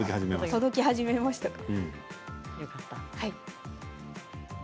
届き始めましたか？